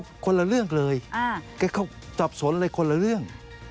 ก็คนละเรื่องเลยจะเข้าจับสดคือจอบสกลงเลยคนละเรื่อง